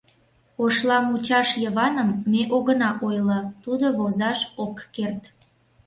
Ошламучаш Йываным ме огына ойло — тудо возаш ок керт.